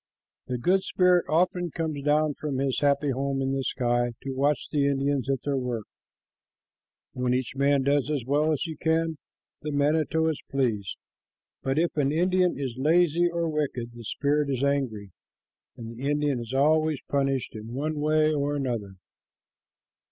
The good spirit often comes down from his happy home in the sky to watch the Indians at their work. When each man does as well as he can, the manito is pleased, but if an Indian is lazy or wicked, the spirit is angry, and the Indian is always punished in one way or another.